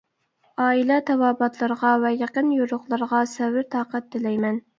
ئائىلە تاۋابىئاتلىرىغا ۋە يېقىن يورۇقلىرىغا سەۋر-تاقەت تىلەيمەن.